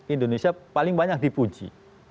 indonesia paling banyak dipuji